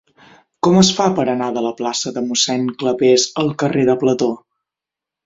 Com es fa per anar de la plaça de Mossèn Clapés al carrer de Plató?